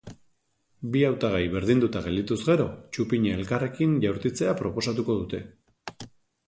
Bi hautagai berdinduta geldituz gero, txupina elkarrekin jaurtitzea proposatuko dute.